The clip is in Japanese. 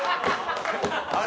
あれ？